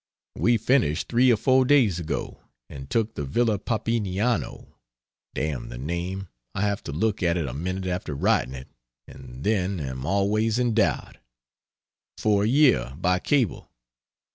We finished 3 or 4 days ago, and took the Villa Papiniano (dam the name, I have to look at it a minutes after writing it, and then am always in doubt) for a year by cable.